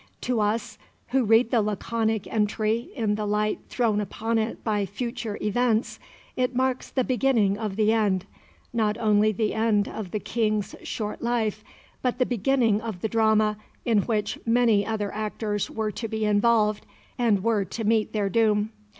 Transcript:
To us, who read the laconic entry in the light thrown upon it by future events, it marks the beginning of the end not only the end of the King's short life, but the beginning of the drama in which many other actors were to be involved and were to meet their doom.